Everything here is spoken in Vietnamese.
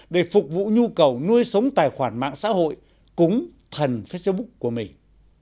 để phục vụ nhu cầu nuôi sống tài khoản mạng xã hội cúng thần facebook của mình